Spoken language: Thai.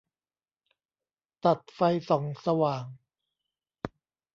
ตัดไฟส่องสว่าง